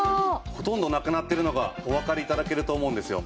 ほとんどなくなっているのがおわかり頂けると思うんですよ。